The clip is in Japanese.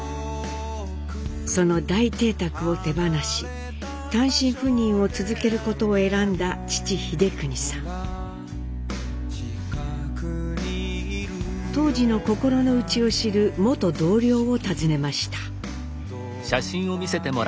その大邸宅を手放し単身赴任を続けることを選んだ当時の心の内を知る元同僚を訪ねました。